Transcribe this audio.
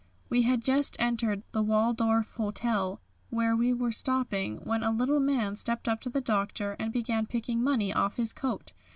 We had just entered the Waldorf Hotel, where we were stopping, when a little man stepped up to the Doctor and began picking money off his coat.